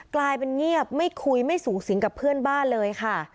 กลายเป็นเงียบไม่คุยไม่สูงสิงกับเพื่อนบ้านเลยค่ะ